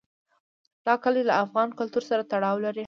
دا کلي له افغان کلتور سره تړاو لري.